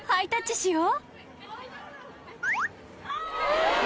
・ハイタッチしよう！